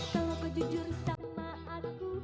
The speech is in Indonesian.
kalau kau bohong sama aku